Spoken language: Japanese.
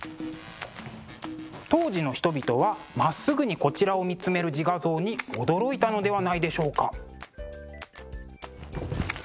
当時の人々はまっすぐにこちらを見つめる自画像に驚いたのではないでしょうか？